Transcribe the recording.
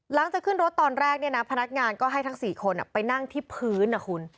หลังจากขึ้นรถตอนแรกเนี่ยนะพนักงานก็ให้ทั้ง๔คนไปนั่งที่พื้นนะคุณ